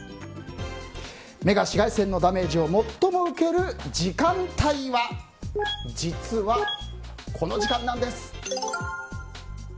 目が紫外線のダメージを最も受ける時間帯は実は、この時間なんです。